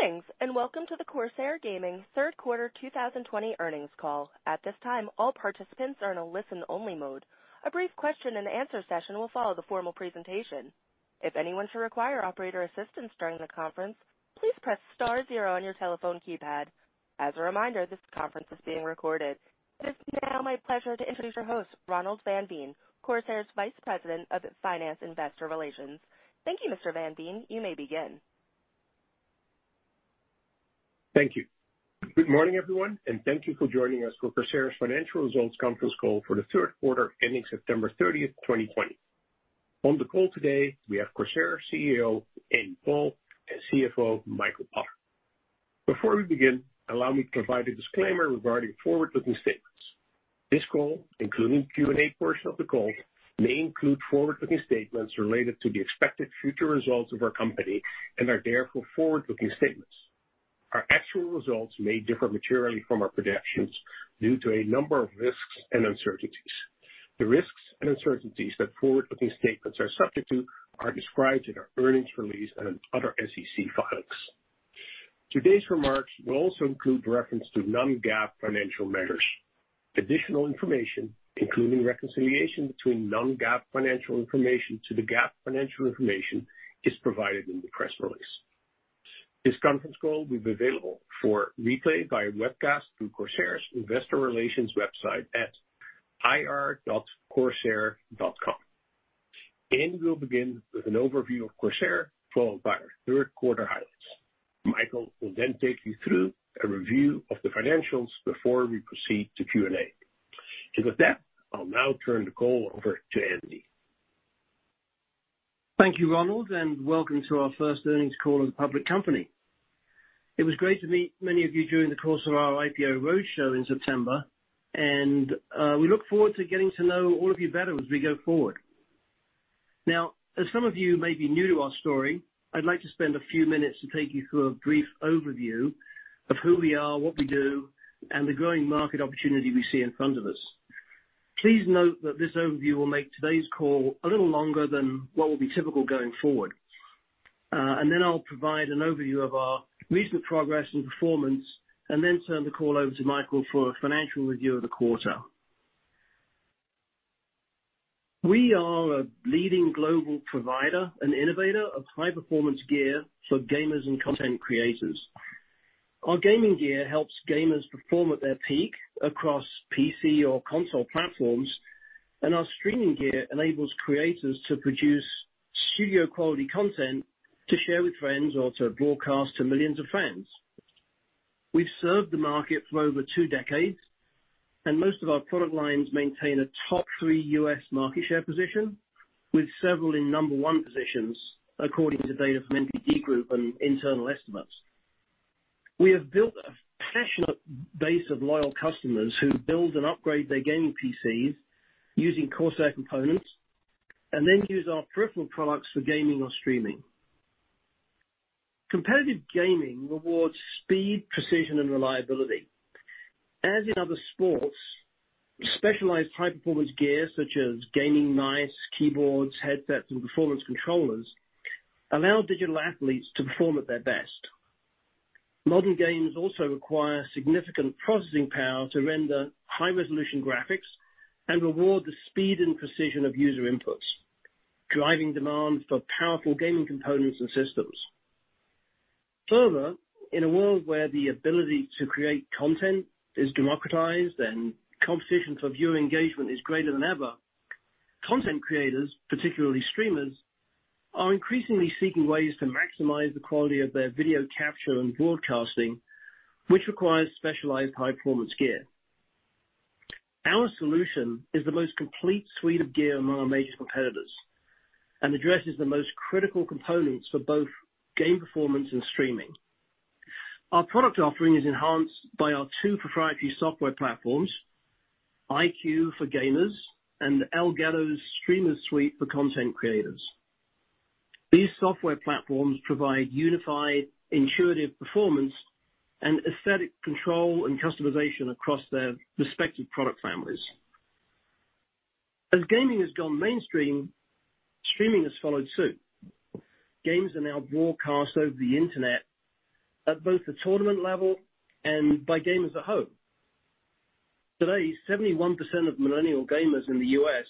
Greetings, and welcome to the Corsair Gaming third quarter 2020 earnings call. At this time, all participants are in a listen-only mode. A brief question and answer session will follow the formal presentation. If anyone should require operator assistance during the conference, please press star zero on your telephone keypad. As a reminder, this conference is being recorded. It is now my pleasure to introduce your host, Ronald van Veen, Corsair's Vice President of Finance Investor Relations. Thank you, Mr. van Veen. You may begin. Thank you. Good morning, everyone, and thank you for joining us for Corsair's financial results conference call for the third quarter ending September 30th, 2020. On the call today, we have Corsair CEO, Andy Paul, and CFO, Michael Potter. Before we begin, allow me to provide a disclaimer regarding forward-looking statements. This call, including the Q&A portion of the call, may include forward-looking statements related to the expected future results of our company and are therefore forward-looking statements. Our actual results may differ materially from our predictions due to a number of risks and uncertainties. The risks and uncertainties that forward-looking statements are subject to are described in our earnings release and other SEC filings. Today's remarks will also include reference to non-GAAP financial measures. Additional information, including reconciliation between non-GAAP financial information to the GAAP financial information, is provided in the press release. This conference call will be available for replay via webcast through Corsair's investor relations website at ir.corsair.com. Andy will begin with an overview of Corsair, followed by our third quarter highlights. Michael will then take you through a review of the financials before we proceed to Q&A. With that, I'll now turn the call over to Andy. Thank you, Ronald. Welcome to our first earnings call as a public company. It was great to meet many of you during the course of our IPO roadshow in September, and we look forward to getting to know all of you better as we go forward. Now, as some of you may be new to our story, I'd like to spend a few minutes to take you through a brief overview of who we are, what we do, and the growing market opportunity we see in front of us. Please note that this overview will make today's call a little longer than what will be typical going forward. Then I'll provide an overview of our recent progress and performance, and then turn the call over to Michael for a financial review of the quarter. We are a leading global provider and innovator of high-performance gear for gamers and content creators. Our gaming gear helps gamers perform at their peak across PC or console platforms, and our streaming gear enables creators to produce studio-quality content to share with friends or to broadcast to millions of fans. We've served the market for over two decades, and most of our product lines maintain a top three U.S. market share position, with several in number one positions according to data from NPD Group and internal estimates. We have built a passionate base of loyal customers who build and upgrade their gaming PCs using Corsair components, and then use our peripheral products for gaming or streaming. Competitive gaming rewards speed, precision, and reliability. As in other sports, specialized high-performance gear such as gaming mice, keyboards, headsets, and performance controllers allow digital athletes to perform at their best. Modern games also require significant processing power to render high-resolution graphics and reward the speed and precision of user inputs, driving demand for powerful gaming components and systems. Further, in a world where the ability to create content is democratized and competition for viewer engagement is greater than ever, content creators, particularly streamers, are increasingly seeking ways to maximize the quality of their video capture and broadcasting, which requires specialized high-performance gear. Our solution is the most complete suite of gear among our major competitors and addresses the most critical components for both game performance and streaming. Our product offering is enhanced by our two proprietary software platforms, iCUE for gamers and Elgato's Stream Deck for content creators. These software platforms provide unified, intuitive performance and aesthetic control and customization across their respective product families. As gaming has gone mainstream, streaming has followed suit. Games are now broadcast over the internet at both the tournament level and by gamers at home. Today, 71% of millennial gamers in the U.S.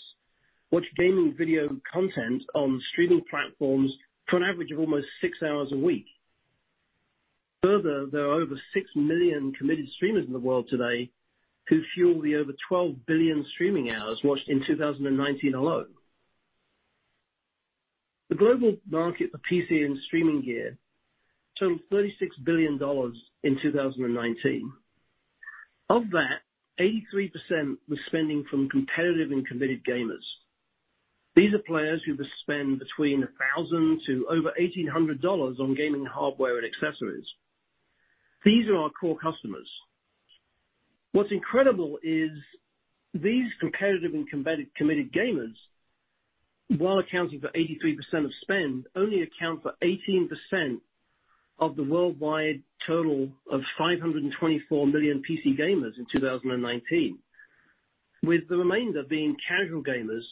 watch gaming video content on streaming platforms for an average of almost six hours a week. Further, there are over 6 million committed streamers in the world today who fuel the over 12 billion streaming hours watched in 2019 alone. The global market for PC and streaming gear totaled $36 billion in 2019. Of that, 83% was spending from competitive and committed gamers. These are players who would spend between $1,000 to over $1,800 on gaming hardware and accessories. These are our core customers. What's incredible is these competitive and committed gamers, while accounting for 83% of spend, only account for 18% of the worldwide total of 524 million PC gamers in 2019. With the remainder being casual gamers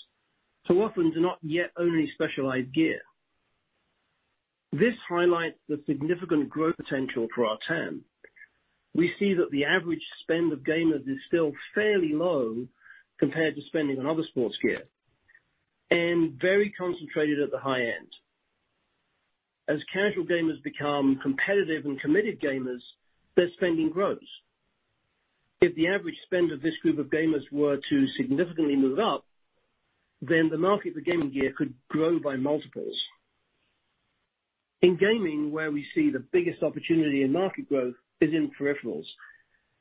who often do not yet own any specialized gear. This highlights the significant growth potential for our TAM. We see that the average spend of gamers is still fairly low compared to spending on other sports gear, and very concentrated at the high end. As casual gamers become competitive and committed gamers, their spending grows. If the average spend of this group of gamers were to significantly move up, then the market for gaming gear could grow by multiples. In gaming, where we see the biggest opportunity in market growth is in peripherals,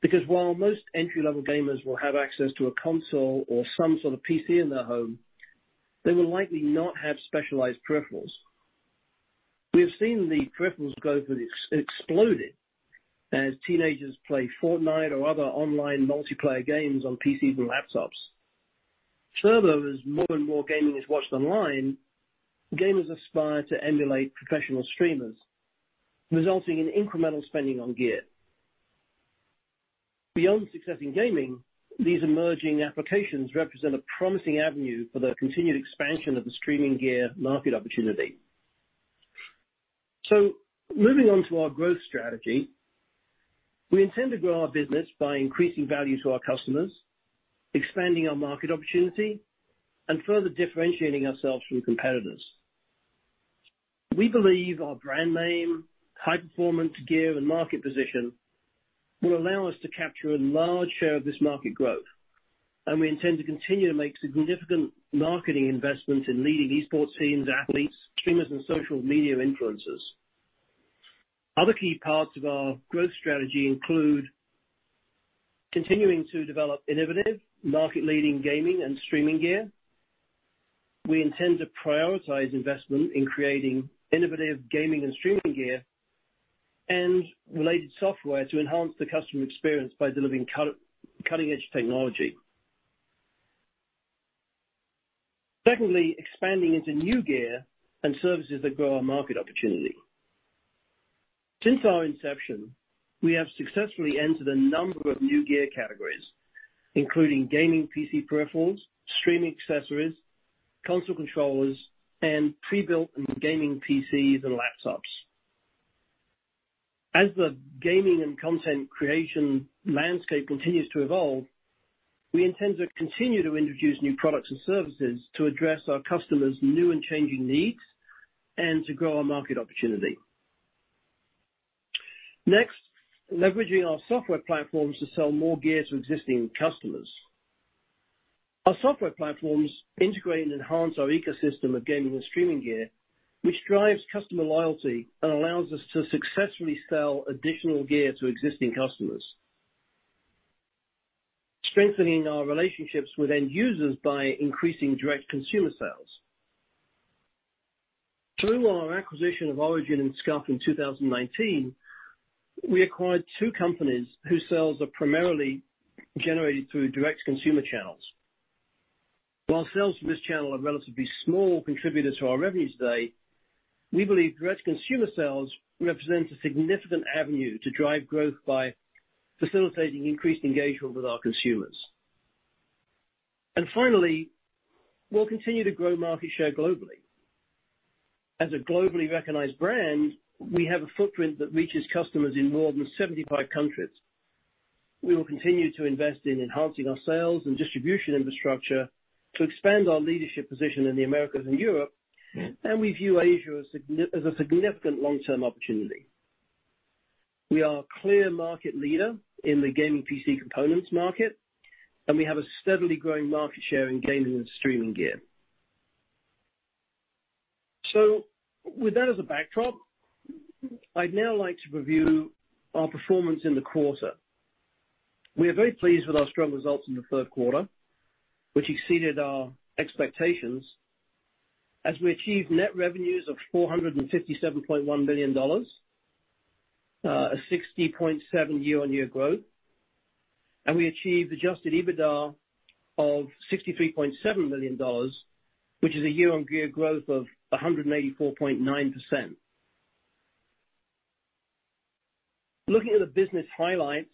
because while most entry-level gamers will have access to a console or some sort of PC in their home, they will likely not have specialized peripherals. We have seen the peripherals growth rate exploding as teenagers play Fortnite or other online multiplayer games on PCs and laptops. Furthermore, as more and more gaming is watched online, gamers aspire to emulate professional streamers, resulting in incremental spending on gear. Beyond success in gaming, these emerging applications represent a promising avenue for the continued expansion of the streaming gear market opportunity. Moving on to our growth strategy, we intend to grow our business by increasing value to our customers, expanding our market opportunity, and further differentiating ourselves from competitors. We believe our brand name, high-performance gear, and market position will allow us to capture a large share of this market growth, and we intend to continue to make significant marketing investments in leading esports teams, athletes, streamers, and social media influencers. Other key parts of our growth strategy include continuing to develop innovative market-leading gaming and streaming gear. We intend to prioritize investment in creating innovative gaming and streaming gear and related software to enhance the customer experience by delivering cutting-edge technology. Secondly, expanding into new gear and services that grow our market opportunity. Since our inception, we have successfully entered a number of new gear categories, including gaming PC peripherals, streaming accessories, console controllers, and pre-built gaming PCs and laptops. As the gaming and content creation landscape continues to evolve, we intend to continue to introduce new products and services to address our customers' new and changing needs and to grow our market opportunity. Next, leveraging our software platforms to sell more gear to existing customers. Our software platforms integrate and enhance our ecosystem of gaming and streaming gear, which drives customer loyalty and allows us to successfully sell additional gear to existing customers. Strengthening our relationships with end users by increasing direct consumer sales. Through our acquisition of Origin and SCUF in 2019, we acquired two companies whose sales are primarily generated through direct consumer channels. While sales from this channel are a relatively small contributor to our revenue today, we believe direct consumer sales represents a significant avenue to drive growth by facilitating increased engagement with our consumers. Finally, we'll continue to grow market share globally. As a globally recognized brand, we have a footprint that reaches customers in more than 75 countries. We will continue to invest in enhancing our sales and distribution infrastructure to expand our leadership position in the Americas and Europe, and we view Asia as a significant long-term opportunity. We are a clear market leader in the gaming PC components market, and we have a steadily growing market share in gaming and streaming gear. With that as a backdrop, I'd now like to review our performance in the quarter. We are very pleased with our strong results in the third quarter, which exceeded our expectations, as we achieved net revenues of $457.1 million, a 60.7% year-on-year growth. We achieved adjusted EBITDA of $63.7 million, which is a year-on-year growth of 184.9%. Looking at the business highlights,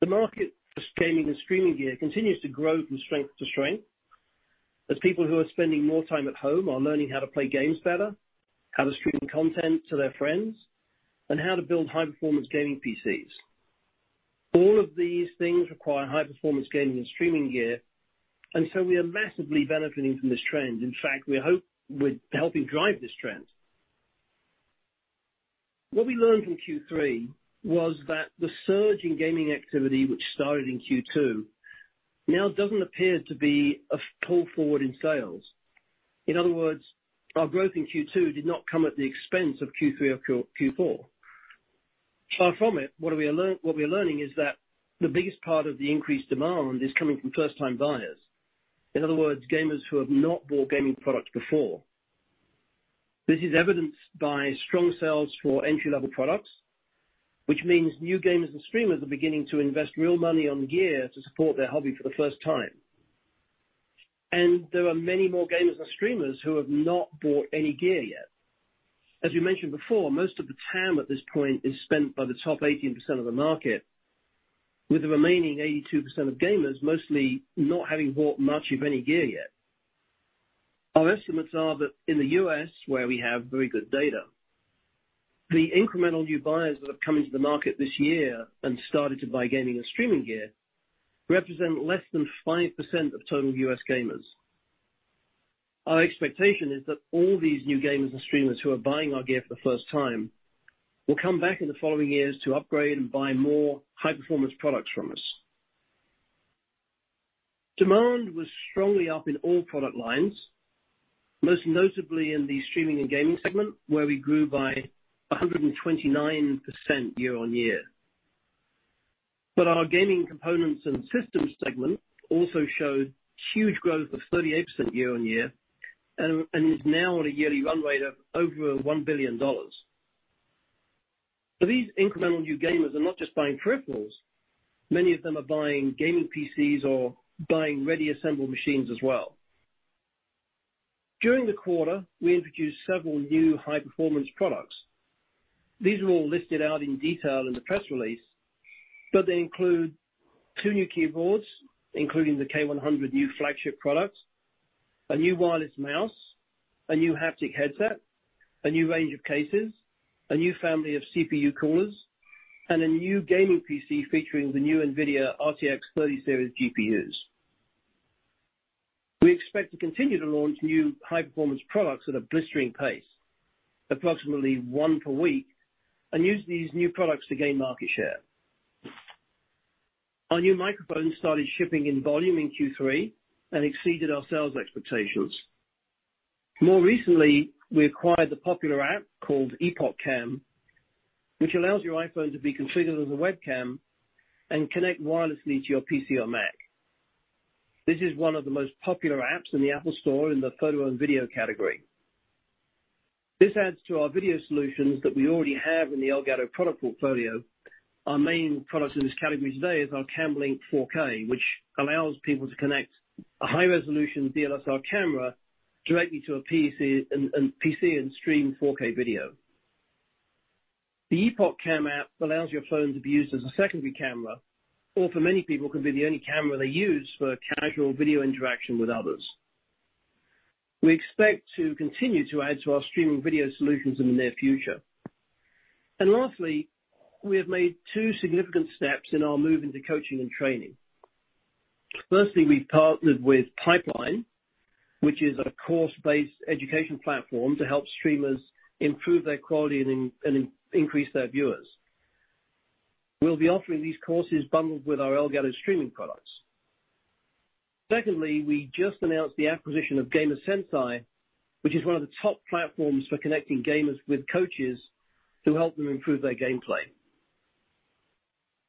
the market for gaming and streaming gear continues to grow from strength to strength as people who are spending more time at home are learning how to play games better, how to stream content to their friends, and how to build high-performance gaming PCs. All of these things require high-performance gaming and streaming gear, and so we are massively benefiting from this trend. In fact, we hope we're helping drive this trend. What we learned in Q3 was that the surge in gaming activity, which started in Q2, now doesn't appear to be a pull forward in sales. In other words, our growth in Q2 did not come at the expense of Q3 or Q4. Far from it, what we are learning is that the biggest part of the increased demand is coming from first-time buyers. In other words, gamers who have not bought gaming products before. This is evidenced by strong sales for entry-level products, which means new gamers and streamers are beginning to invest real money on gear to support their hobby for the first time. There are many more gamers and streamers who have not bought any gear yet. As we mentioned before, most of the TAM at this point is spent by the top 18% of the market, with the remaining 82% of gamers mostly not having bought much of any gear yet. Our estimates are that in the U.S., where we have very good data, the incremental new buyers that have come into the market this year and started to buy gaming and streaming gear represent less than 5% of total U.S. gamers. Our expectation is that all these new gamers and streamers who are buying our gear for the first time will come back in the following years to upgrade and buy more high-performance products from us. Demand was strongly up in all product lines, most notably in the streaming and gaming segment, where we grew by 129% year-on-year. Our gaming components and systems segment also showed huge growth of 38% year-on-year and is now on a yearly run rate of over $1 billion. These incremental new gamers are not just buying peripherals. Many of them are buying gaming PCs or buying ready-assembled machines as well. During the quarter, we introduced several new high-performance products. These are all listed out in detail in the press release, they include two new keyboards, including the K100 new flagship product, a new wireless mouse, a new haptic headset, a new range of cases, a new family of CPU coolers, and a new gaming PC featuring the new NVIDIA RTX 30 Series GPUs. We expect to continue to launch new high-performance products at a blistering pace, approximately one per week, and use these new products to gain market share. Our new microphone started shipping in volume in Q3 and exceeded our sales expectations. More recently, we acquired the popular app called EpocCam, which allows your iPhone to be configured as a webcam and connect wirelessly to your PC or Mac. This is one of the most popular apps in the App Store in the photo and video category. This adds to our video solutions that we already have in the Elgato product portfolio. Our main product in this category today is our Cam Link 4K, which allows people to connect a high-resolution DSLR camera directly to a PC and stream 4K video. The EpocCam app allows your phone to be used as a secondary camera or for many people, could be the only camera they use for casual video interaction with others. We expect to continue to add to our streaming video solutions in the near future. Lastly, we have made two significant steps in our move into coaching and training. Firstly, we partnered with Pipeline, which is a course-based education platform to help streamers improve their quality and increase their viewers. We'll be offering these courses bundled with our Elgato streaming products. Secondly, we just announced the acquisition of Gamer Sensei, which is one of the top platforms for connecting gamers with coaches to help them improve their gameplay.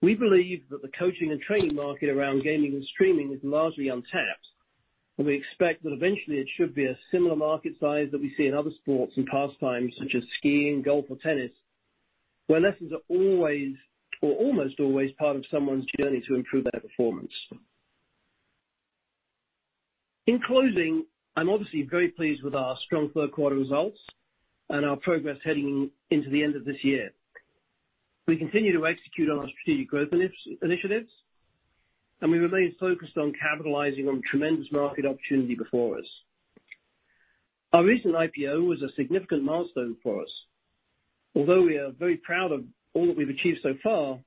We believe that the coaching and training market around gaming and streaming is largely untapped. We expect that eventually it should be a similar market size that we see in other sports and pastimes such as skiing, golf, or tennis, where lessons are always or almost always part of someone's journey to improve their performance. In closing, I'm obviously very pleased with our strong Third Quarter results and our progress heading into the end of this year. We continue to execute on our strategic growth initiatives. We remain focused on capitalizing on the tremendous market opportunity before us. Our recent IPO was a significant milestone for us. Although we are very proud of all that we've achieved so far,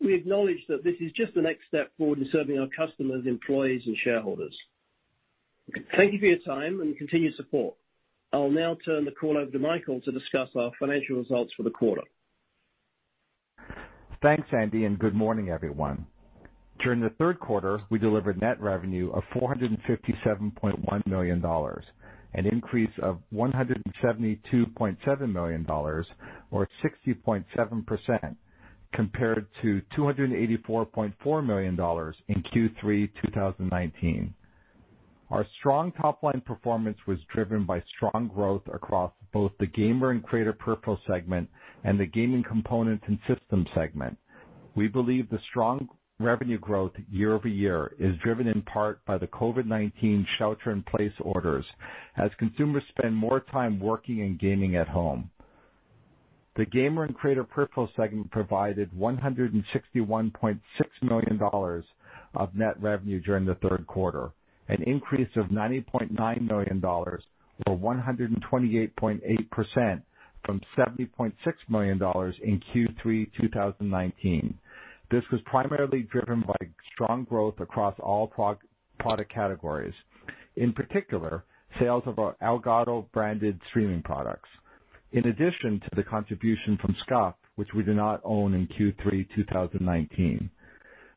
we acknowledge that this is just the next step forward in serving our customers, employees, and shareholders. Thank you for your time and continued support. I'll now turn the call over to Michael to discuss our financial results for the quarter. Thanks, Andy. Good morning, everyone. During the third quarter, we delivered net revenue of $457.1 million, an increase of $172.7 million or 60.7% compared to $284.4 million in Q3 2019. Our strong top-line performance was driven by strong growth across both the Gamer and Creator Peripheral segment and the Gaming Components and System segment. We believe the strong revenue growth year-over-year is driven in part by the COVID-19 shelter in place orders as consumers spend more time working and gaming at home. The Gamer and Creator Peripheral segment provided $161.6 million of net revenue during the third quarter, an increase of $90.9 million or 128.8% from $70.6 million in Q3 2019. This was primarily driven by strong growth across all product categories, in particular, sales of our Elgato-branded streaming products, in addition to the contribution from SCUF, which we did not own in Q3 2019.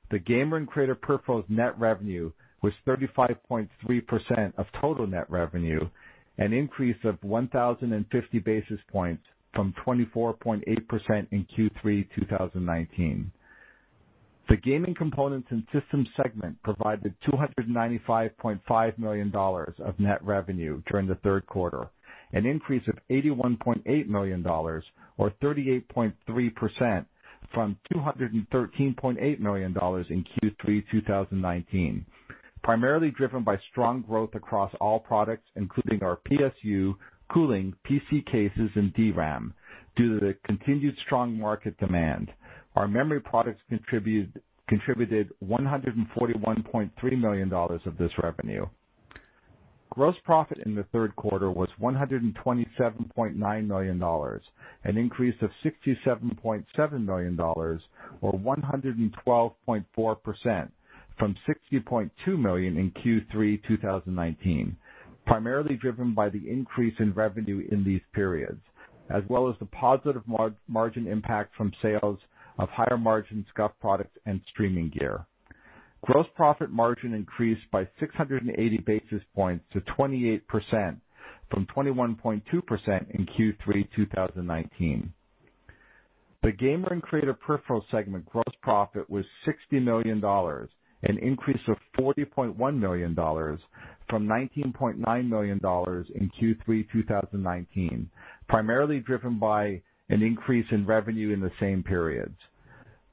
The gamer and creator peripherals net revenue was 35.3% of total net revenue, an increase of 1,050 basis points from 24.8% in Q3 2019. The gaming components and systems segment provided $295.5 million of net revenue during the third quarter, an increase of $81.8 million or 38.3% from $213.8 million in Q3 2019, primarily driven by strong growth across all products, including our PSU, cooling, PC cases, and DRAM, due to the continued strong market demand. Our memory products contributed $141.3 million of this revenue. Gross profit in the third quarter was $127.9 million, an increase of $67.7 million or 112.4%, from $60.2 million in Q3 2019, primarily driven by the increase in revenue in these periods, as well as the positive margin impact from sales of higher margin SCUF products and streaming gear. Gross profit margin increased by 680 basis points to 28%, from 21.2% in Q3 2019. The gamer and creator peripherals segment gross profit was $60 million, an increase of $40.1 million from $19.9 million in Q3 2019, primarily driven by an increase in revenue in the same periods.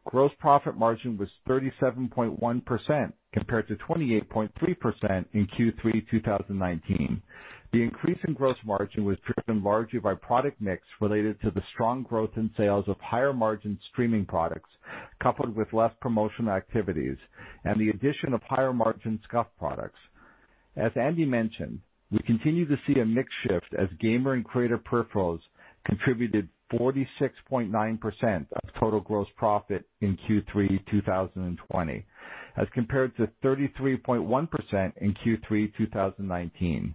Gross profit margin was 37.1% compared to 28.3% in Q3 2019. The increase in gross margin was driven largely by product mix related to the strong growth in sales of higher margin streaming products, coupled with less promotional activities and the addition of higher margin SCUF products. As Andy mentioned, we continue to see a mix shift as gamer and creator peripherals contributed 46.9% of total gross profit in Q3 2020 as compared to 33.1% in Q3 2019.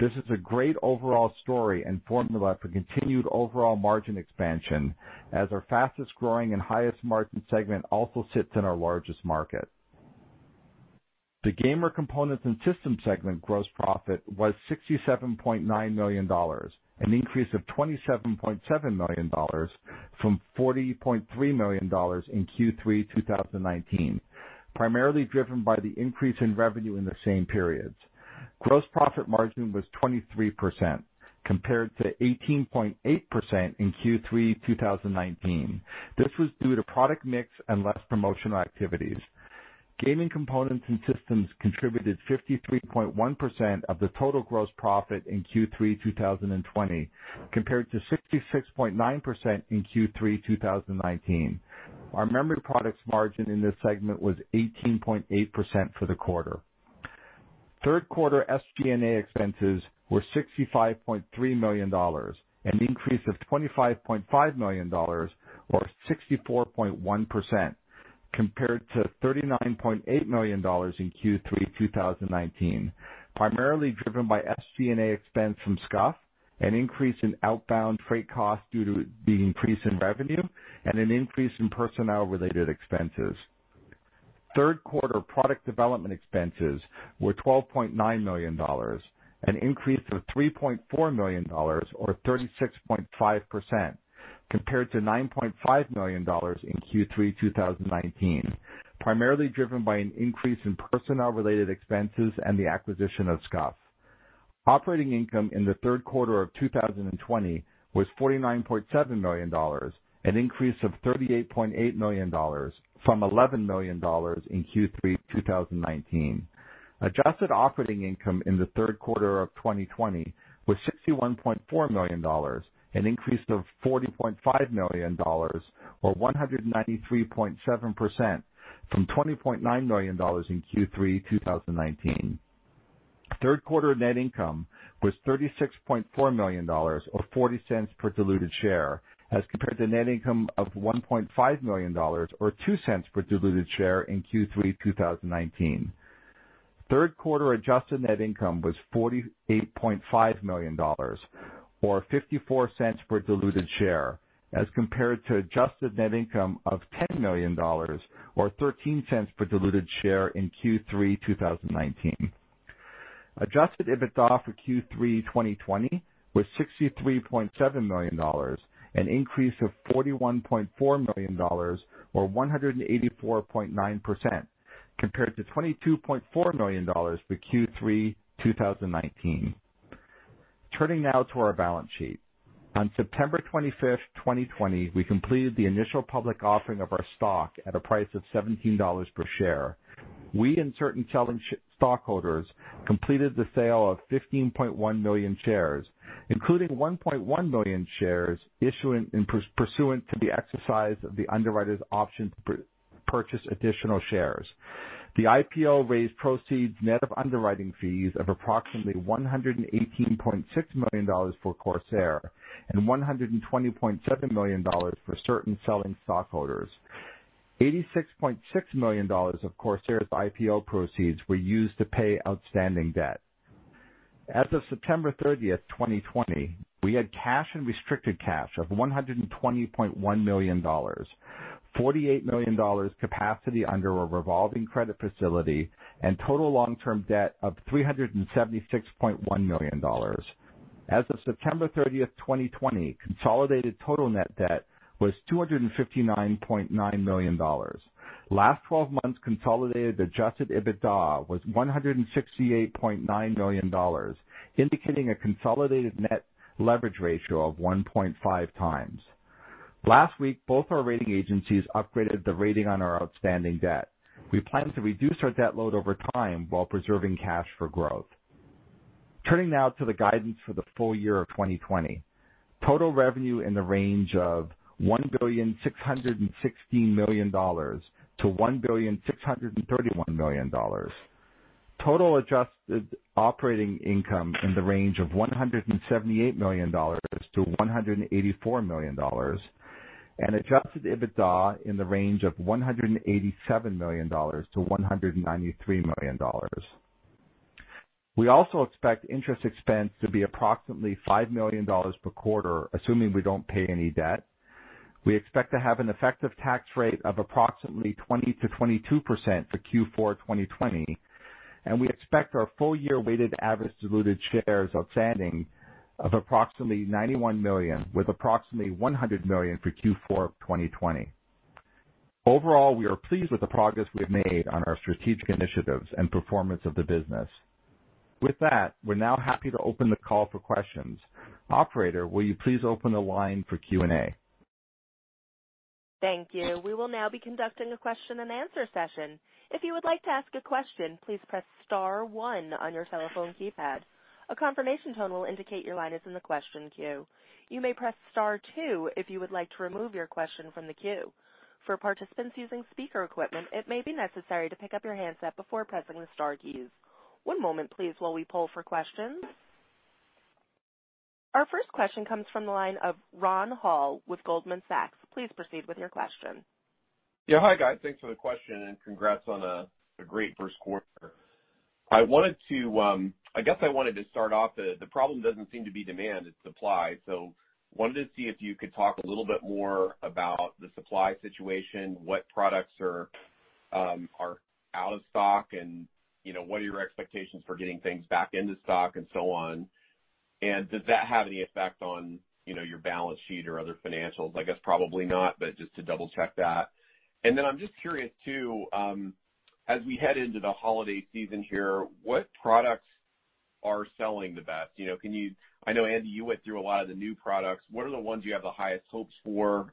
This is a great overall story and formula for continued overall margin expansion as our fastest-growing and highest margin segment also sits in our largest market. The Gamer Components and Systems segment gross profit was $67.9 million, an increase of $27.7 million from $40.3 million in Q3 2019, primarily driven by the increase in revenue in the same periods. Gross profit margin was 23% compared to 18.8% in Q3 2019. This was due to product mix and less promotional activities. Gaming Components and Systems contributed 53.1% of the total gross profit in Q3 2020 compared to 66.9% in Q3 2019. Our memory products margin in this segment was 18.8% for the quarter. Third quarter SG&A expenses were $65.3 million, an increase of $25.5 million or 64.1%, compared to $39.8 million in Q3 2019, primarily driven by SG&A expense from SCUF, an increase in outbound freight costs due to the increase in revenue, and an increase in personnel-related expenses. Third quarter product development expenses were $12.9 million, an increase of $3.4 million or 36.5%, compared to $9.5 million in Q3 2019, primarily driven by an increase in personnel-related expenses and the acquisition of SCUF. Operating income in the third quarter of 2020 was $49.7 million, an increase of $38.8 million from $11 million in Q3 2019. Adjusted operating income in the third quarter of 2020 was $61.4 million, an increase of $40.5 million or 193.7%, from $20.9 million in Q3 2019. Third quarter net income was $36.4 million or $0.40 per diluted share as compared to net income of $1.5 million or $0.02 per diluted share in Q3 2019. Third quarter adjusted net income was $48.5 million or $0.54 per diluted share as compared to adjusted net income of $10 million or $0.13 per diluted share in Q3 2019. Adjusted EBITDA for Q3 2020 was $63.7 million, an increase of $41.4 million or 184.9%, compared to $22.4 million for Q3 2019. Turning now to our balance sheet. On September 25th, 2020, we completed the initial public offering of our stock at a price of $17 per share. We and certain stockholders completed the sale of 15.1 million shares, including 1.1 million shares issued pursuant to the exercise of the underwriter's option to purchase additional shares. The IPO raised proceeds net of underwriting fees of approximately $118.6 million for Corsair and $120.7 million for certain selling stockholders. $86.6 million of Corsair's IPO proceeds were used to pay outstanding debt. As of September 30th, 2020, we had cash and restricted cash of $120.1 million, $48 million capacity under a revolving credit facility, and total long-term debt of $376.1 million. As of September 30th, 2020, consolidated total net debt was $259.9 million. Last 12 months consolidated adjusted EBITDA was $168.9 million, indicating a consolidated net leverage ratio of 1.5x. Last week, both our rating agencies upgraded the rating on our outstanding debt. We plan to reduce our debt load over time while preserving cash for growth. Turning now to the guidance for the full year 2020. Total revenue in the range of $1.616 billion-$1.631 billion. Total adjusted operating income in the range of $178 million-$184 million, and adjusted EBITDA in the range of $187 million-$193 million. We also expect interest expense to be approximately $5 million per quarter, assuming we don't pay any debt. We expect to have an effective tax rate of approximately 20%-22% for Q4 2020, and we expect our full-year weighted average diluted shares outstanding of approximately 91 million, with approximately 100 million for Q4 2020. Overall, we are pleased with the progress we've made on our strategic initiatives and performance of the business. With that, we're now happy to open the call for questions. Operator, will you please open the line for Q&A? Thank you. We will now be conducting a question and answer session. If you would like to ask a question, please press star one on your telephone keypad. A confirmation tone will indicate your line is in the question queue. You may press star two if you would like to remove your question from the queue. For participants using speaker equipment, it may be necessary to pick up your handset before pressing the star keys. One moment, please, while we poll for questions. Our first question comes from the line of Rod Hall with Goldman Sachs. Please proceed with your question. Yeah. Hi, guys. Thanks for the question. Congrats on a great first quarter. I guess I wanted to start off that the problem doesn't seem to be demand, it's supply. Wanted to see if you could talk a little bit more about the supply situation, what products are out of stock, and what are your expectations for getting things back into stock and so on. Does that have any effect on your balance sheet or other financials? I guess probably not, but just to double-check that. I'm just curious, too, as we head into the holiday season here, what products are selling the best? I know, Andy, you went through a lot of the new products. What are the ones you have the highest hopes for?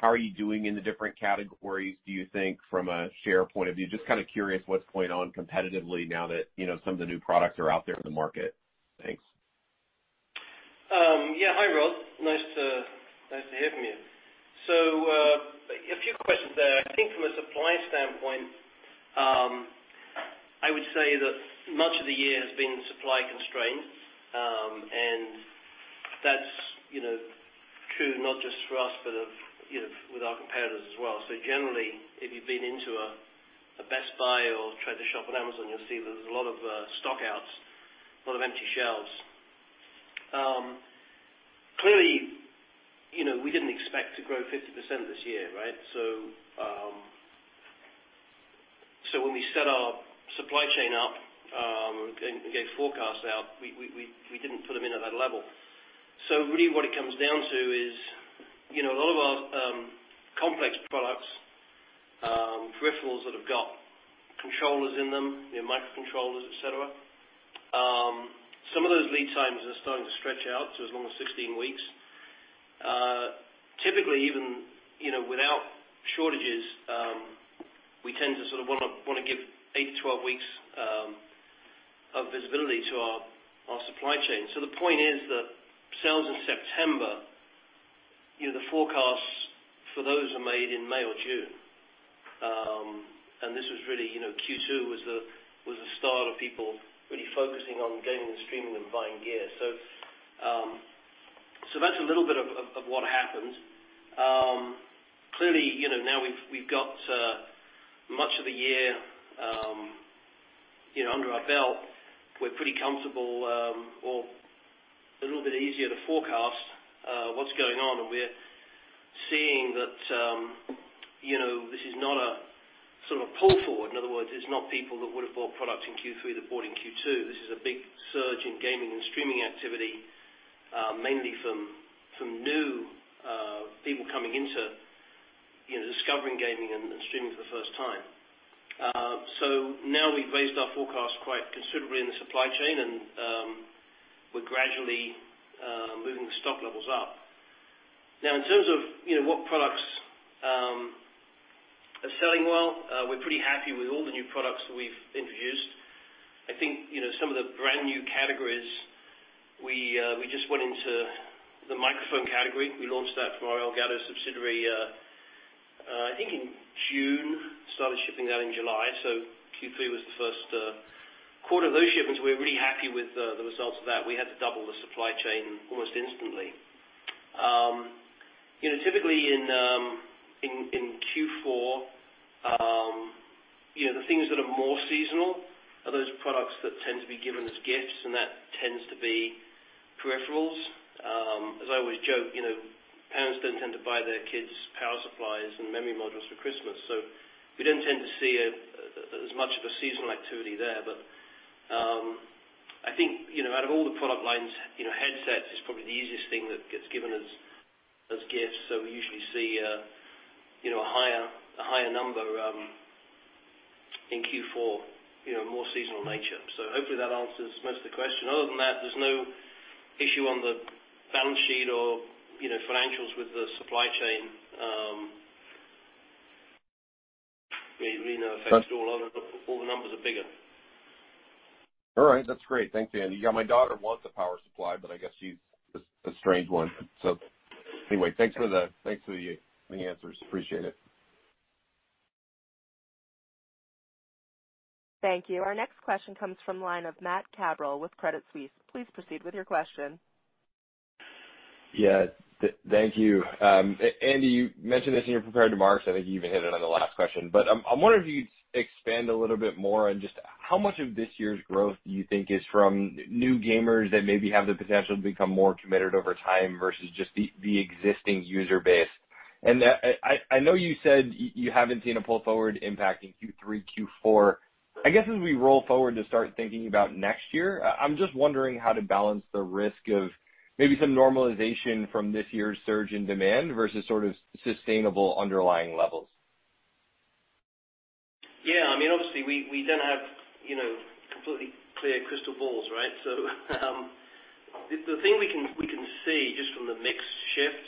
How are you doing in the different categories, do you think, from a share point of view? Just kind of curious what's going on competitively now that some of the new products are out there in the market. Thanks. Hi, Rod. Nice to hear from you. A few questions there. I think from a supply standpoint, I would say that much of the year has been supply constrained, and that's true not just for us, but with our competitors as well. Generally, if you've been into a Best Buy or tried to shop on Amazon, you'll see there's a lot of stock outs, a lot of empty shelves. Clearly, we didn't expect to grow 50% this year, right? When we set our supply chain up and gave forecasts out, we didn't put them in at that level. Really, what it comes down to is a lot of our complex products, peripherals that have got controllers in them, microcontrollers, et cetera, some of those lead times are starting to stretch out to as long as 16 weeks. Typically even without shortages, we tend to sort of want to give 8-12 weeks of visibility to our supply chain. The point is that sales in September, the forecasts for those are made in May or June. This was really Q2 was the start of people really focusing on gaming and streaming and buying gear. That's a little bit of what happened. Clearly, now we've got much of the year under our belt. We're pretty comfortable or a little bit easier to forecast what's going on, and we're seeing that this is not a sort of pull forward. In other words, it's not people that would've bought products in Q3 that bought in Q2. This is a big surge in gaming and streaming activity mainly from new people coming into discovering gaming and streaming for the first time. Now we've raised our forecast quite considerably in the supply chain, and we're gradually moving the stock levels up. In terms of what products are selling well, we're pretty happy with all the new products that we've introduced. I think some of the brand-new categories, we just went into the microphone category. We launched that from our Elgato subsidiary, I think in June, started shipping that in July. Q3 was the first quarter of those shipments. We're really happy with the results of that. We had to double the supply chain almost instantly. Typically in Q4, the things that are more seasonal are those products that tend to be given as gifts, and that tends to be peripherals. As I always joke, parents don't tend to buy their kids power supplies and memory modules for Christmas. We don't tend to see as much of a seasonal activity there. I think, out of all the product lines, headsets is probably the easiest thing that gets given as gifts. We usually see a higher number in Q4, more seasonal nature. Hopefully that answers most of the question. Other than that, there's no issue on the balance sheet or financials with the supply chain really affects at all. All the numbers are bigger. All right. That's great. Thanks, Andy. Yeah, my daughter wants a power supply, but I guess she's a strange one. Anyway, thanks for the answers. Appreciate it. Thank you. Our next question comes from the line of Matt Cabral with Credit Suisse. Please proceed with your question. Yeah. Thank you. Andy, you mentioned this in your prepared remarks. I think you even hit it on the last question. I wonder if you'd expand a little bit more on just how much of this year's growth do you think is from new gamers that maybe have the potential to become more committed over time versus just the existing user base? I know you said you haven't seen a pull forward impact in Q3, Q4. I guess as we roll forward to start thinking about next year, I'm just wondering how to balance the risk of maybe some normalization from this year's surge in demand versus sort of sustainable underlying levels. Obviously, we don't have completely clear crystal balls, right? The thing we can see just from the mix shift,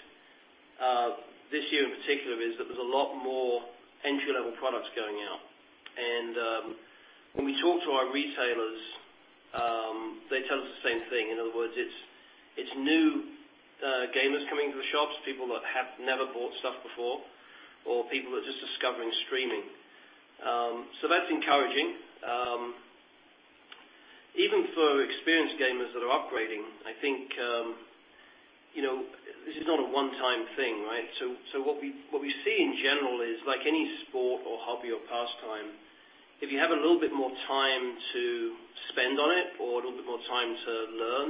this year in particular, is that there's a lot more entry-level products going out. When we talk to our retailers, they tell us the same thing. In other words, it's new gamers coming to the shops, people that have never bought stuff before or people that are just discovering streaming. That's encouraging. Even for experienced gamers that are upgrading, I think, this is not a one-time thing, right? What we see in general is like any sport or hobby or pastime, if you have a little bit more time to spend on it or a little bit more time to learn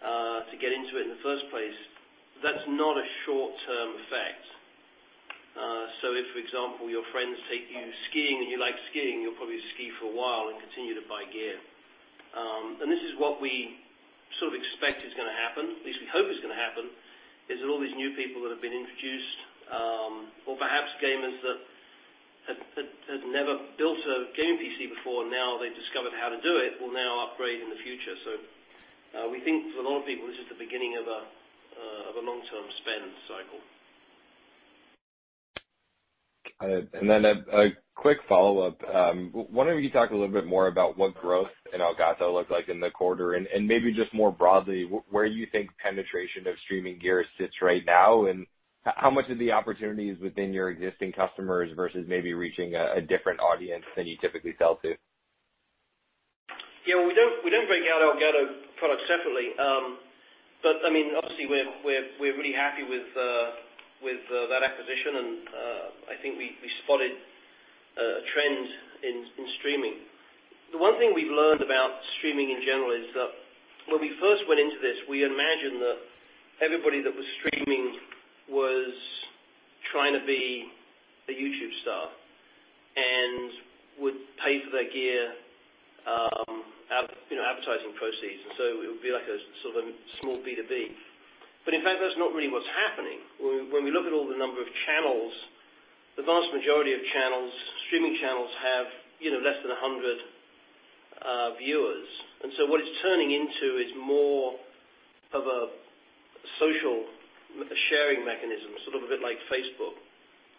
to get into it in the first place, that's not a short-term effect. If, for example, your friends take you skiing and you like skiing, you'll probably ski for a while and continue to buy gear. This is what we sort of expect is going to happen, at least we hope is going to happen, is that all these new people that have been introduced, or perhaps gamers that had never built a game PC before, now they've discovered how to do it, will now upgrade in the future. We think for a lot of people, this is the beginning of a long-term spend cycle. A quick follow-up. I wonder if you could talk a little bit more about what growth in Elgato looked like in the quarter, and maybe just more broadly, where you think penetration of streaming gear sits right now, and how much of the opportunity is within your existing customers versus maybe reaching a different audience than you typically sell to? Yeah. We don't break out Elgato products separately. Obviously, we're really happy with that acquisition, and I think we spotted a trend in streaming. The one thing we've learned about streaming in general is that when we first went into this, we imagined that everybody that was streaming was trying to be a YouTube star and would pay for their gear out of advertising proceeds. It would be like a sort of a small B2B. In fact, that's not really what's happening. When we look at all the number of channels, the vast majority of channels, streaming channels have less than 100 viewers. What it's turning into is more of a social sharing mechanism, sort of a bit like Facebook,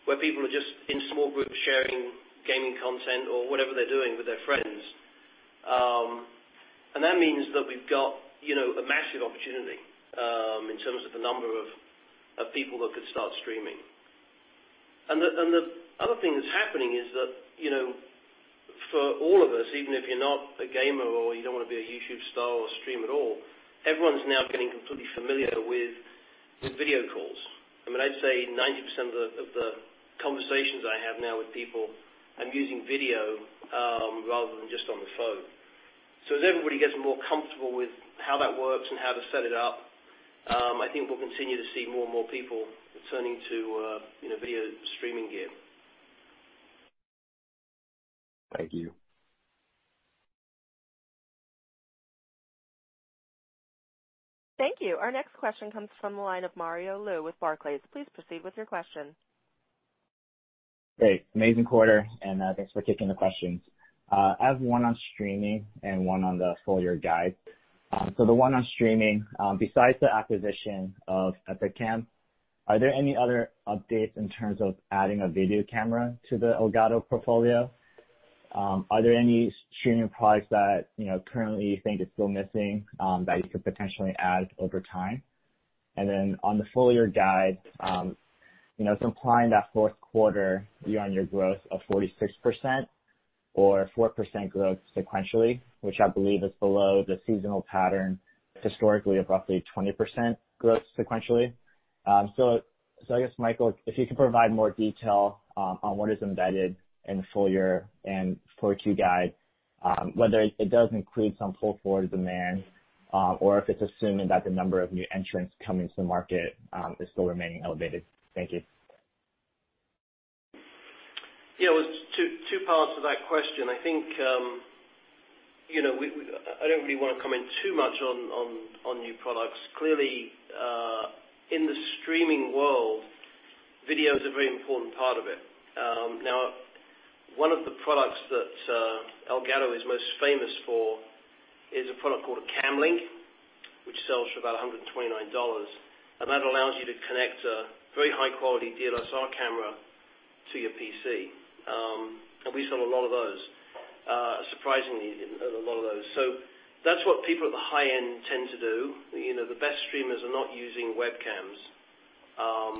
where people are just in small groups sharing gaming content or whatever they're doing with their friends. That means that we've got a massive opportunity in terms of the number of people that could start streaming. The other thing that's happening is that for all of us, even if you're not a gamer or you don't want to be a YouTube star or stream at all, everyone's now getting completely familiar with video calls. I'd say 90% of the conversations I have now with people, I'm using video, rather than just on the phone. As everybody gets more comfortable with how that works and how to set it up, I think we'll continue to see more and more people turning to video streaming gear. Thank you. Thank you. Our next question comes from the line of Mario Lu with Barclays. Please proceed with your question. Great. Amazing quarter, and thanks for taking the questions. I have one on streaming and one on the full-year guide. The one on streaming, besides the acquisition of EpocCam, are there any other updates in terms of adding a video camera to the Elgato portfolio? Are there any streaming products that currently you think is still missing that you could potentially add over time? On the full-year guide, it's implying that fourth quarter year-on-year growth of 46% or 4% growth sequentially, which I believe is below the seasonal pattern historically of roughly 20% growth sequentially. I guess, Michael, if you could provide more detail on what is embedded in the full year and full Q guide whether it does include some pull-forward demand, or if it's assuming that the number of new entrants coming to the market is still remaining elevated. Thank you. Yeah. Well, there's two parts to that question. I think, I don't really want to comment too much on new products. Clearly, in the streaming world, video is a very important part of it. One of the products that Elgato is most famous for is a product called Cam Link, which sells for about $129, and that allows you to connect a very high-quality DSLR camera to your PC. We sell a lot of those. Surprisingly, a lot of those. That's what people at the high end tend to do. The best streamers are not using webcams.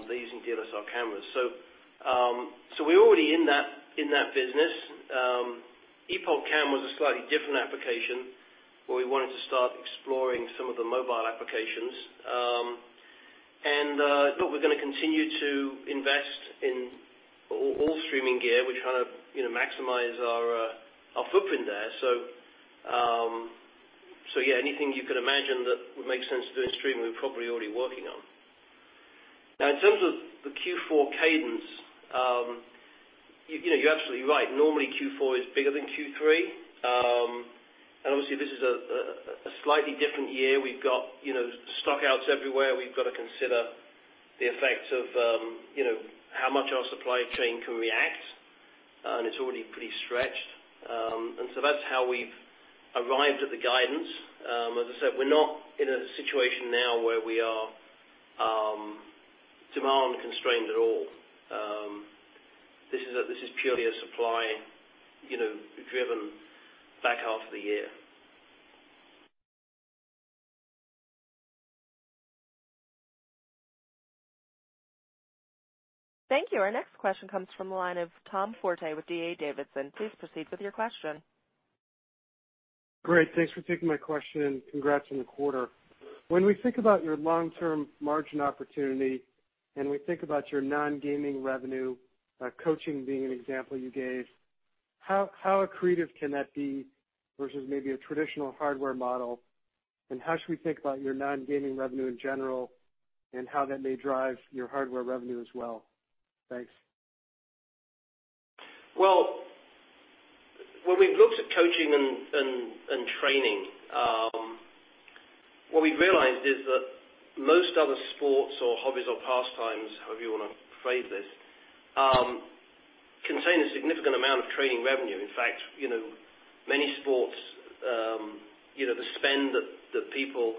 They're using DSLR cameras. We're already in that business. EpocCam was a slightly different application, where we wanted to start exploring some of the mobile applications. Look, we're going to continue to invest in all streaming gear. We're trying to maximize our footprint there. Yeah, anything you can imagine that would make sense to do in streaming, we're probably already working on. Now, in terms of the Q4 cadence, you're absolutely right. Normally, Q4 is bigger than Q3. Obviously, this is a slightly different year. We've got stock-outs everywhere. We've got to consider the effects of how much our supply chain can react, and it's already pretty stretched. That's how we've arrived at the guidance. As I said, we're not in a situation now where we are demand-constrained at all. This is purely a supply-driven back half of the year. Thank you. Our next question comes from the line of Tom Forte with D.A. Davidson. Please proceed with your question. Great. Thanks for taking my question, and congrats on the quarter. When we think about your long-term margin opportunity, and we think about your non-gaming revenue, coaching being an example you gave, how accretive can that be versus maybe a traditional hardware model? How should we think about your non-gaming revenue in general, and how that may drive your hardware revenue as well? Thanks. When we've looked at coaching and training, what we've realized is that most other sports or hobbies or pastimes, however you want to phrase this, contain a significant amount of training revenue. Many sports, the spend that people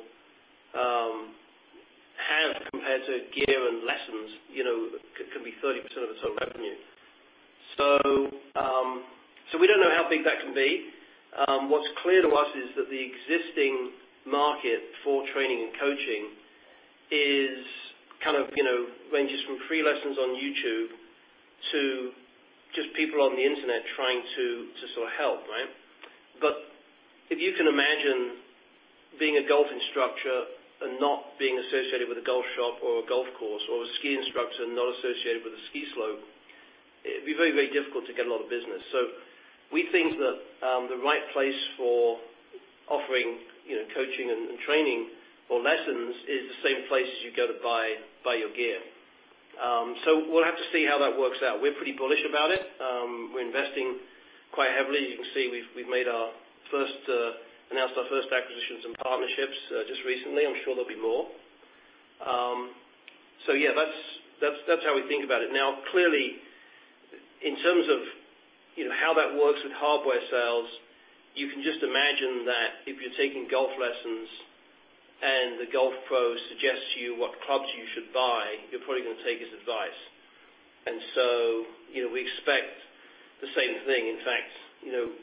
have compared to gear and lessons can be 30% of the sort of revenue. We don't know how big that can be. What's clear to us is that the existing market for training and coaching kind of ranges from free lessons on YouTube to just people on the internet trying to sort of help, right? If you can imagine being a golf instructor and not being associated with a golf shop or a golf course, or a ski instructor not associated with a ski slope, it'd be very difficult to get a lot of business. We think that the right place for offering coaching and training or lessons is the same place as you go to buy your gear. We'll have to see how that works out. We're pretty bullish about it. We're investing quite heavily. You can see we've announced our first acquisitions and partnerships just recently. I'm sure there'll be more. Yeah, that's how we think about it. Clearly, in terms of how that works with hardware sales, you can just imagine that if you're taking golf lessons and the golf pro suggests to you what clubs you should buy, you're probably going to take his advice. We expect the same thing. In fact,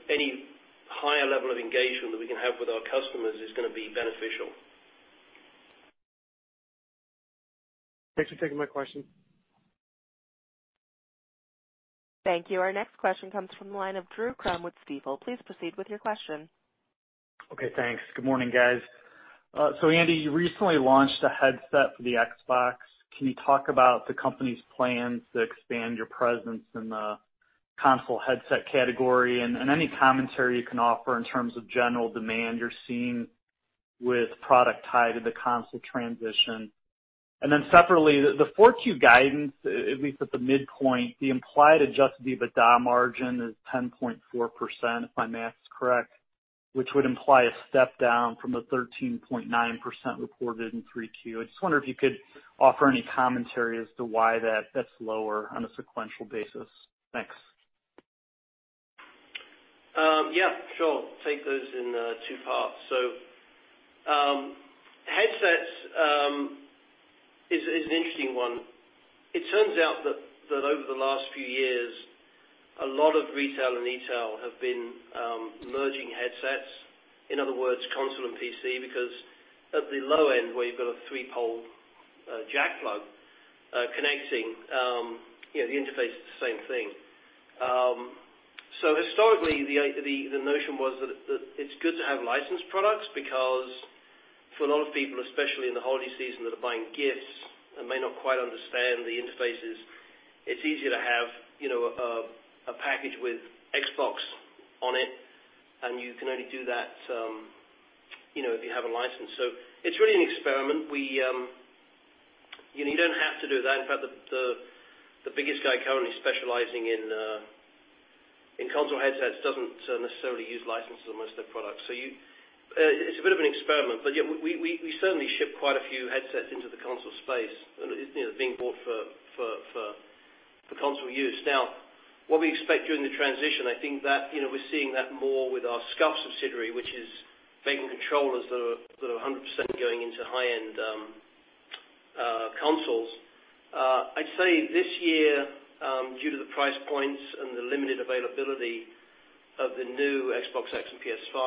any higher level of engagement that we can have with our customers is going to be beneficial. Thanks for taking my question. Thank you. Our next question comes from the line of Drew Crum with Stifel. Please proceed with your question. Okay. Thanks. Good morning, guys. Andy, you recently launched a headset for the Xbox. Can you talk about the company's plans to expand your presence in the console headset category, and any commentary you can offer in terms of general demand you're seeing with product tied to the console transition? Separately, the 4Q guidance, at least at the midpoint, the implied adjusted EBITDA margin is 10.4%, if my math's correct, which would imply a step down from the 13.9% reported in 3Q. I just wonder if you could offer any commentary as to why that's lower on a sequential basis. Thanks. Yeah. Sure. Take those in two parts. Headsets is an interesting one. It turns out that over the last few years, a lot of retail and e-tail have been merging headsets. In other words, console and PC, because at the low end, where you've got a three-pole jack plug connecting, the interface is the same thing. Historically, the notion was that it's good to have licensed products because for a lot of people, especially in the holiday season that are buying gifts and may not quite understand the interfaces, it's easier to have a package with Xbox on it, and you can only do that if you have a license. It's really an experiment. You don't have to do that. In fact, the biggest guy currently specializing in console headsets doesn't necessarily use licenses on most of their products. It's a bit of an experiment. We certainly ship quite a few headsets into the console space, being bought for console use. What we expect during the transition, I think that we're seeing that more with our SCUF subsidiary, which is making controllers that are 100% going into high-end consoles. I'd say this year, due to the price points and the limited availability of the new Xbox X and PS5,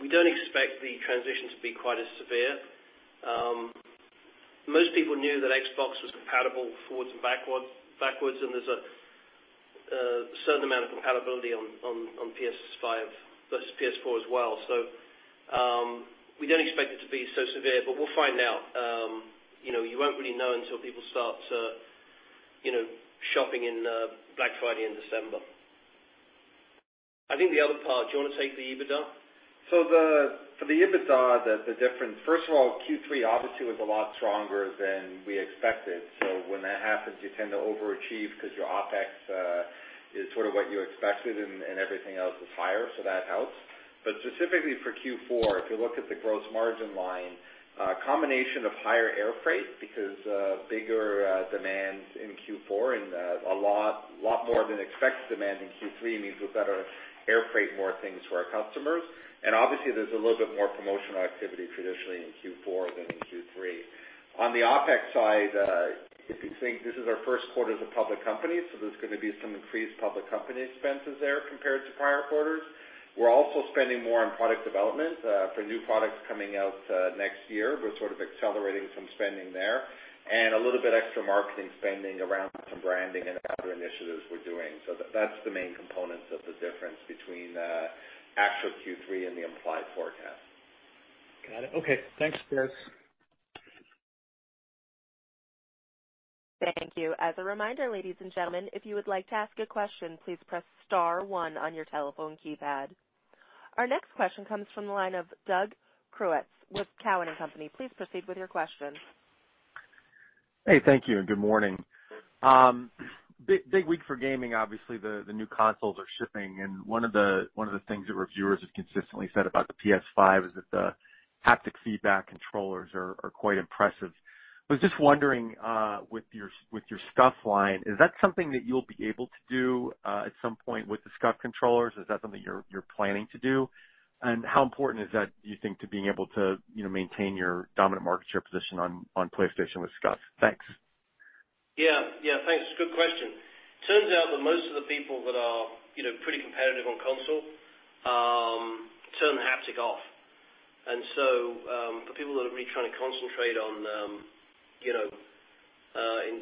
we don't expect the transition to be quite as severe. Most people knew that Xbox was compatible forwards and backwards, and there's a certain amount of compatibility on PS5 versus PS4 as well. We don't expect it to be so severe, but we'll find out. You won't really know until people start shopping in Black Friday in December. I think the other part, do you want to take the EBITDA? For the EBITDA, the difference, first of all, Q3 obviously was a lot stronger than we expected. When that happens, you tend to overachieve because your OpEx is sort of what you expected and everything else is higher, so that helps. Specifically for Q4, if you look at the gross margin line, a combination of higher air freight, because bigger demands in Q4 and a lot more of an expected demand in Q3 means we've got to air freight more things to our customers. Obviously there's a little bit more promotional activity traditionally in Q4 than in Q3. On the OpEx side, if you think this is our first quarter as a public company, so there's going to be some increased public company expenses there compared to prior quarters. We're also spending more on product development for new products coming out next year. We're sort of accelerating some spending there. A little bit extra marketing spending around some branding and other initiatives we're doing. That's the main components of the difference between actual Q3 and the implied forecast. Got it. Okay. Thanks, guys. Thank you. As a reminder, ladies and gentlemen, if you would like to ask a question, please press star one on your telephone keypad. Our next question comes from the line of Doug Creutz with Cowen and Company. Please proceed with your question. Hey, thank you and good morning. Big week for gaming, obviously, the new consoles are shipping and one of the things that reviewers have consistently said about the PS5 is that the haptic feedback controllers are quite impressive. I was just wondering with your SCUF line, is that something that you'll be able to do at some point with the SCUF controllers? Is that something you're planning to do? How important is that, do you think, to being able to maintain your dominant market share position on PlayStation with SCUF? Thanks. Yeah. Thanks. Good question. Turns out that most of the people that are pretty competitive on console turn the haptic off. For people that are really trying to concentrate in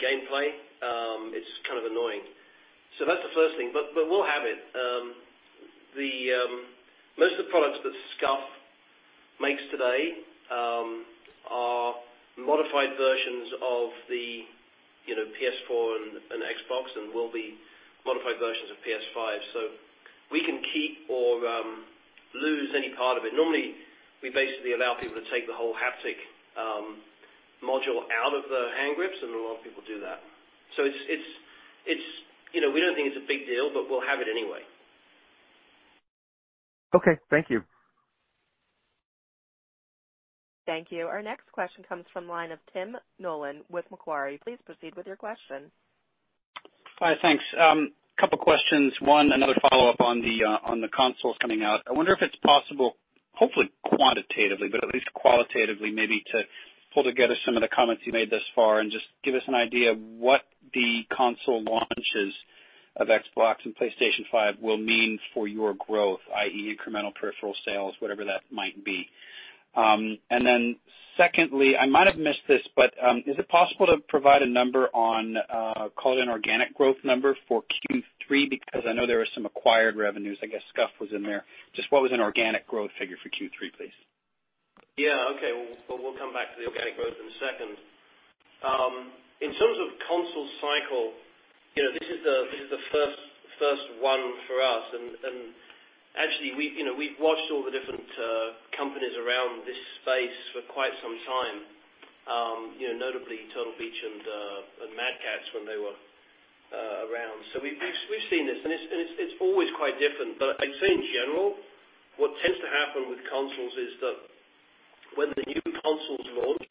gameplay, it's kind of annoying. That's the first thing, but we'll have it. Most of the products that SCUF makes today are modified versions of the PS4 and Xbox and will be modified versions of PS5. We can keep or lose any part of it. Normally, we basically allow people to take the whole haptic module out of the hand grips, and a lot of people do that. We don't think it's a big deal, but we'll have it anyway. Okay. Thank you. Thank you. Our next question comes from line of Tim Nollen with Macquarie. Please proceed with your question. Hi, thanks. Couple questions. One, another follow-up on the consoles coming out. I wonder if it's possible, hopefully quantitatively, but at least qualitatively, maybe to pull together some of the comments you made thus far and just give us an idea of what the console launches of Xbox and PlayStation 5 will mean for your growth, i.e., incremental peripheral sales, whatever that might be. Secondly, I might have missed this, but is it possible to provide a number on, call it an organic growth number for Q3? I know there were some acquired revenues, I guess SCUF was in there. Just what was an organic growth figure for Q3, please? Yeah. Okay. We'll come back to the organic growth in a second. In terms of console cycle, this is the first one for us. Actually, we've watched all the different companies around this space for quite some time. Notably Turtle Beach and Mad Catz when they were around. We've seen this, and it's always quite different, but I'd say in general, what tends to happen with consoles is that when the new consoles launch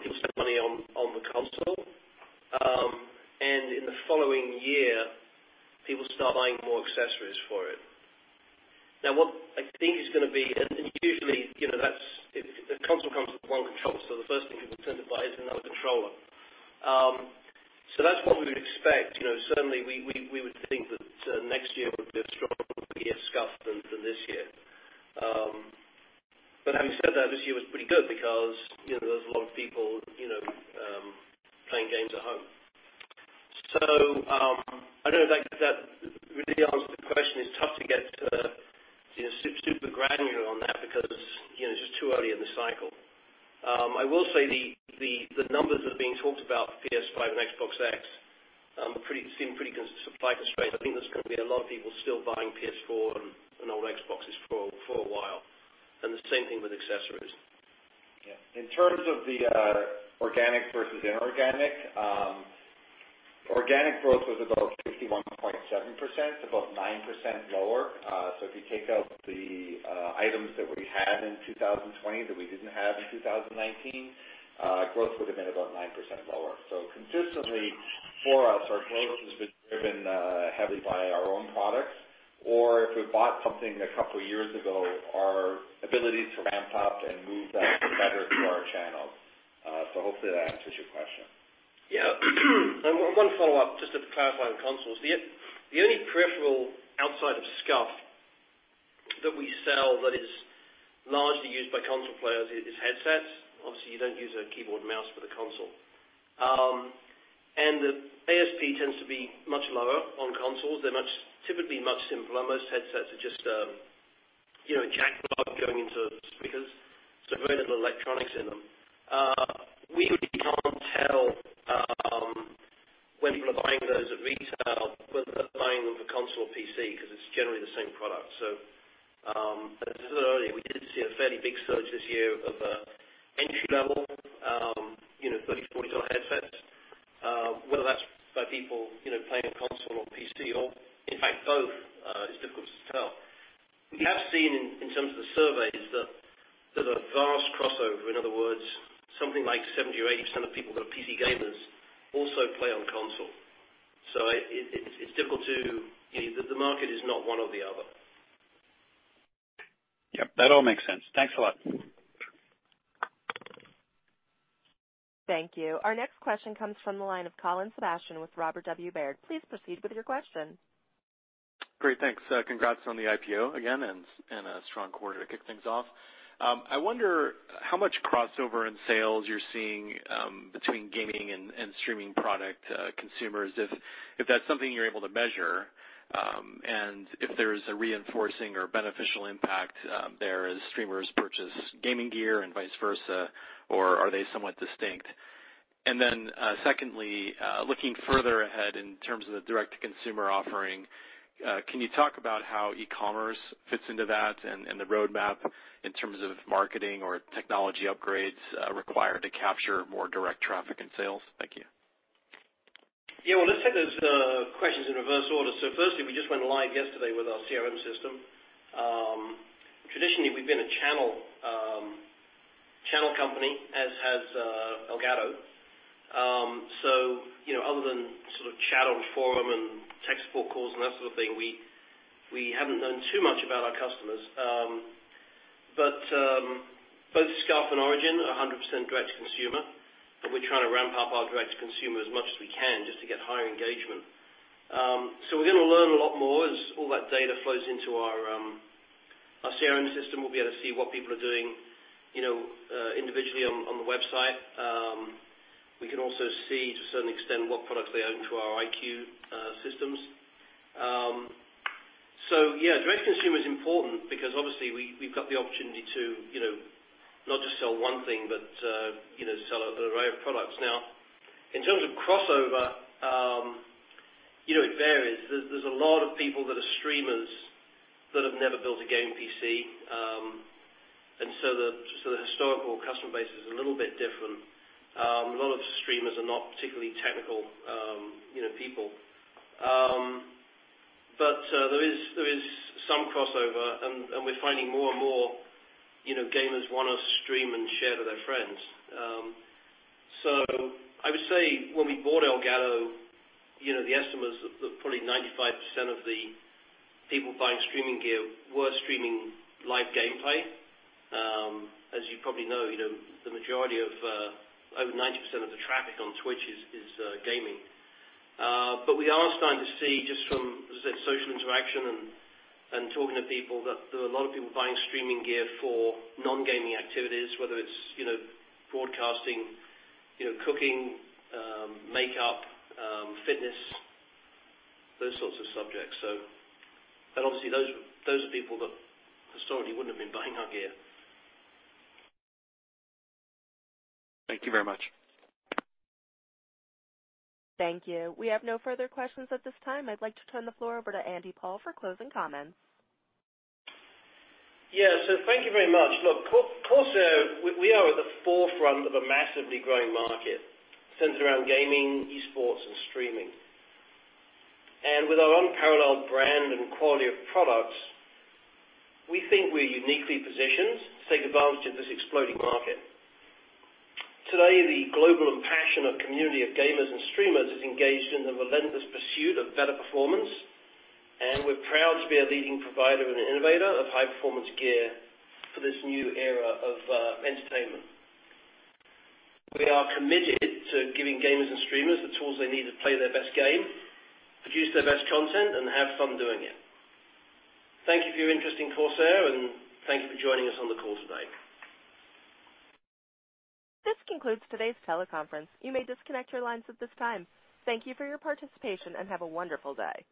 people spend money on the console, and in the following year, people start buying more accessories for it. What I think is going to be, and usually, the console comes with one controller, so the first thing people tend to buy is another controller. That's what we would expect. Certainly we would think that next year would be a stronger year for SCUF than this year. Having said that, this year was pretty good because there was a lot of people playing games at home. I don't know if that really answers the question. It's tough to get super granular on that because it's just too early in the cycle. I will say the numbers that are being talked about for PS5 and Xbox X seem pretty supply constrained. I think there's going to be a lot of people still buying PS4 and old Xboxes for a while, and the same thing with accessories. Yeah. In terms of the organic versus inorganic, organic growth was about 51.7%, about 9% lower. If you take out the items that we had in 2020 that we didn't have in 2019, growth would have been about 9% lower. Consistently for us, our growth has been driven heavily by our own products, or if we bought something a couple of years ago, our ability to ramp up and move that better through our channels. Hopefully that answers your question. Yeah. One follow-up just to clarify on consoles. The only peripheral outside of SCUF that we sell that is largely used by console players is headsets. Obviously, you don't use a keyboard and mouse for the console. The ASP tends to be much lower on consoles. They're typically much simpler. Most headsets are just a jack plug going into speakers, so very little electronics in them. We really can't tell when people are buying those at retail, whether they're buying them for console or PC, because it's generally the same product. As I said earlier, we did see a fairly big surge this year of entry-level $30, $40 headsets. Whether that's by people playing a console or PC or, in fact, both, is difficult to tell. We have seen in terms of the surveys that there's a vast crossover. In other words, something like 70% or 80% of people that are PC gamers also play on console. The market is not one or the other. Yep, that all makes sense. Thanks a lot. Thank you. Our next question comes from the line of Colin Sebastian with Robert W. Baird. Please proceed with your question. Great. Thanks. Congrats on the IPO again and a strong quarter to kick things off. I wonder how much crossover in sales you're seeing between gaming and streaming product consumers, if that's something you're able to measure, and if there's a reinforcing or beneficial impact there as streamers purchase gaming gear and vice versa, or are they somewhat distinct? Secondly, looking further ahead in terms of the direct-to-consumer offering, can you talk about how e-commerce fits into that and the roadmap in terms of marketing or technology upgrades required to capture more direct traffic and sales? Thank you. Yeah. Well, let's take those questions in reverse order. Firstly, we just went live yesterday with our CRM system. Traditionally, we've been a channel company, as has Elgato. Other than chat on the forum and tech support calls and that sort of thing, we haven't known too much about our customers. Both SCUF and Origin are 100% direct to consumer, and we're trying to ramp up our direct to consumer as much as we can just to get higher engagement. We're going to learn a lot more as all that data flows into our CRM system. We'll be able to see what people are doing individually on the website. We can also see to a certain extent what products they own through our iCUE systems. Yeah, direct to consumer is important because obviously we've got the opportunity to not just sell one thing, but sell an array of products. Now, in terms of crossover, it varies. There's a lot of people that are streamers that have never built a gaming PC, and so the historical customer base is a little bit different. A lot of streamers are not particularly technical people. There is some crossover, and we're finding more and more gamers want to stream and share to their friends. I would say when we bought Elgato, the estimate was that probably 95% of the people buying streaming gear were streaming live gameplay. As you probably know, the majority of over 90% of the traffic on Twitch is gaming. We are starting to see just from, as I said, social interaction and talking to people that there are a lot of people buying streaming gear for non-gaming activities, whether it's broadcasting cooking, makeup, fitness, those sorts of subjects. Obviously those are people that historically wouldn't have been buying our gear. Thank you very much. Thank you. We have no further questions at this time. I'd like to turn the floor over to Andy Paul for closing comments. Thank you very much. Look, Corsair, we are at the forefront of a massively growing market centered around gaming, esports, and streaming. With our unparalleled brand and quality of products, we think we're uniquely positioned to take advantage of this exploding market. Today, the global and passionate community of gamers and streamers is engaged in the relentless pursuit of better performance, we're proud to be a leading provider and innovator of high-performance gear for this new era of entertainment. We are committed to giving gamers and streamers the tools they need to play their best game, produce their best content, and have fun doing it. Thank you for your interest in Corsair, thank you for joining us on the call today. This concludes today's teleconference. You may disconnect your lines at this time. Thank you for your participation, and have a wonderful day.